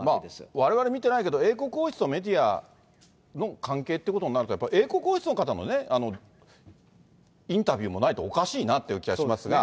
われわれ見てないけど英国王室のメディアの関係ということになると、やっぱり英国王室の方もね、インタビューもないとおかしいなという気はしますが。